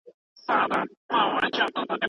د انارو سوداګر ومه پاچا شوم